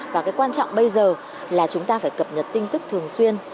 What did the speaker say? và cái quan trọng bây giờ là chúng ta phải cập nhật tin tức thường xuyên